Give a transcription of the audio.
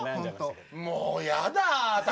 もうやだ私！